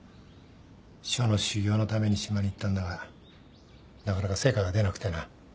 書の修行のために島に行ったんだがなかなか成果が出なくてな。